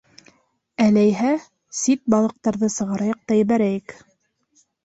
Әләйһә, сит балыҡтарҙы сығарайыҡ та ебәрәйек.